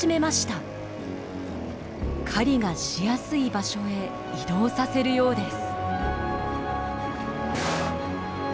狩りがしやすい場所へ移動させるようです。